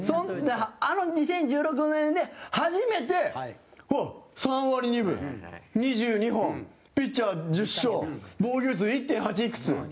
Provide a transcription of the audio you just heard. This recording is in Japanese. あの２０１６年で初めてうわ、３割２分、２２本ピッチャー１０勝防御率１．８いくつ。